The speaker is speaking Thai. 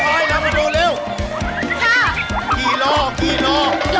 โอ๊ยหนาถุงฟีก่อนแล้วดี